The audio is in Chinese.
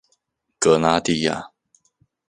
格拉蒂尼。